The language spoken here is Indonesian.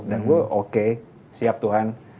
gue oke siap tuhan